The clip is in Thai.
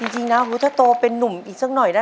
จริงนะถ้าโตเป็นนุ่มอีกสักหน่อยนะ